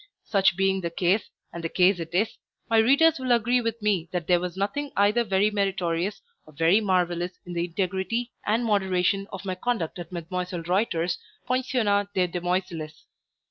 Such being the case, and the case it is, my readers will agree with me that there was nothing either very meritorious or very marvellous in the integrity and moderation of my conduct at Mdlle. Reuter's pensionnat de demoiselles.